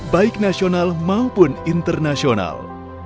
baik nasional maupun internasional